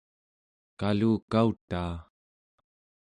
kalukautaa